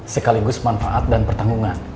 sekaligus manfaat dan pertanggungan